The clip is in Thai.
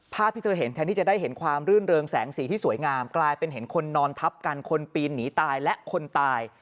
ภาพที่เธอเห็นแทนที่จะได้เห็นความรื่นเริงแสงสีที่สวยงามกลายเป็นเห็นคนนอนทับกันคนปีนหนีตายและคนตาย